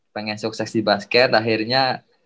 pengen sukses di basket akhirnya